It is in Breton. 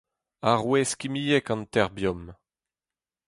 Arouez kimiek an terbiom.